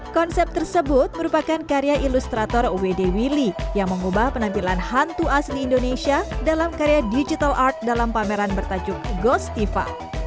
konsep tersebut merupakan karya ilustrator wd willy yang mengubah penampilan hantu asli indonesia dalam karya digital art dalam pameran bertajuk ghostiva